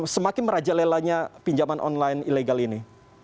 semakin merajalelanya pinjaman online ilegal ini